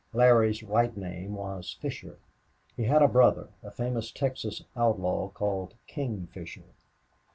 Larry's right name was Fisher. He had a brother a famous Texas outlaw called King Fisher.